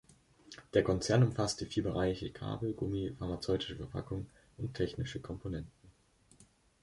Der Konzern umfasst die vier Bereiche Kabel, Gummi, pharmazeutische Verpackungen und technische Komponenten.